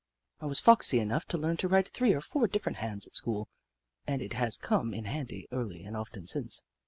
I was foxy enough to learn to write three or four different hands at school and it has come in handy early and often since.